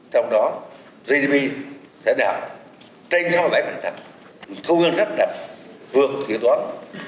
trong đó gdp sẽ đạt trên hai mươi bảy thông ương rất đạt vượt kỷ toán ba năm